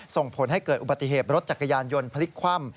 ส่งผลให้เกิดอุบัติเหตุรถจักรยานยนต์พลิกคว่ำ